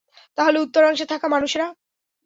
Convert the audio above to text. তাহলে, উত্তর অংশে থাকা মানুষেরা?